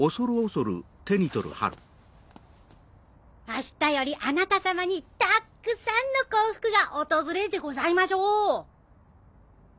明日よりあなた様にたっくさんの幸福が訪れるでございましょう。